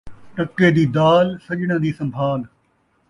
ٹکے دی دال ، سڄݨاں دی سنبھال